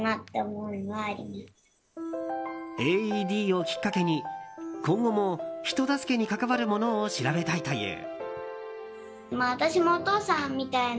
ＡＥＤをきっかけに今後も人助けに関わるものを調べたいという。